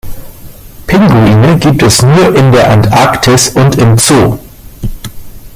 Pinguine gibt es nur in der Antarktis und im Zoo.